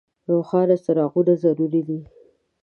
روښانه څراغونه ضروري دي.